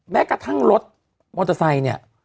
แม้กระทั่งรถมอเตอร์ไซค์เนี่ย